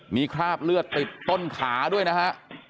มีคราบเลือดติดต้นขาด้วยนะฮะ